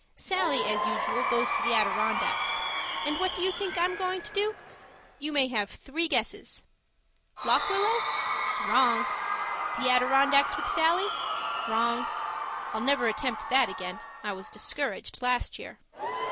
Sallie, as usual, goes to the Adirondacks. And what do you think I am going to do? You may have three guesses. Lock Willow? Wrong. The Adirondacks with Sallie? Wrong. (I'll never attempt that again; I was discouraged last year.)